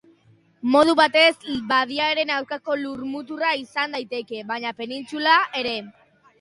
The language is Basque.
Modu batez badiaren aurkakoa lur-muturra izan daiteke; baita penintsula ere.